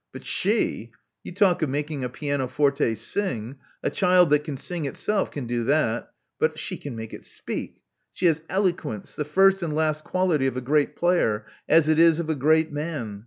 But she ! You talk of making a piano forte sing — a child that can sing itself can do that. But she can make it speak. She has eloquence, the first and last quality of a great player, as it is of a great man.